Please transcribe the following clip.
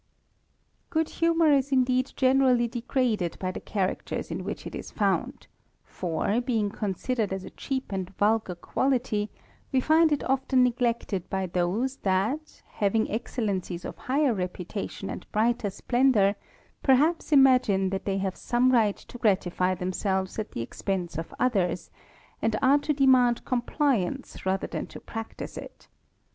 Good humour is indeed generally degraded by the Characters in which it is found; for, being considered as a dieap and vulgar quality, we find it often neglected by those ihat^ having excellencies of higher reputation and brighter splendour, perhaps imagine that they have some right to gratify themselves at the expense of others, and are to demand compliance rather than to practise it.